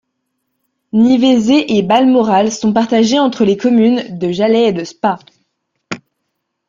Nivezé et Balmoral sont partagés entre les communes de Jalhay et de Spa.